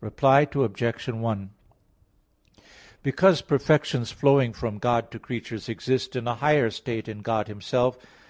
Reply Obj. 1: Because perfections flowing from God to creatures exist in a higher state in God Himself (Q.